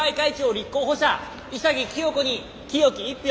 立候補者潔清子に清き１票！